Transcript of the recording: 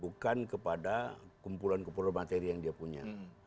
bukan kepada kumpulan kumpulan materi yang dia punya